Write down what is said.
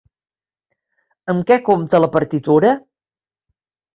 Amb què compta la partitura?